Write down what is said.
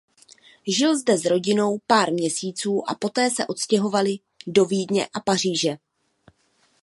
Žil zde s rodinou pár měsíců a poté se odstěhovali do Vídně a Paříže.